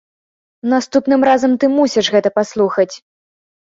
Наступным разам ты мусіш гэта паслухаць!